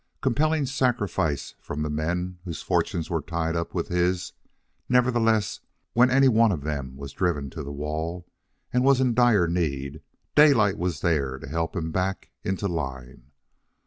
Compelling sacrifice from the men whose fortunes were tied up with his, nevertheless when any one of them was driven to the wall and was in dire need, Daylight was there to help him back into the line.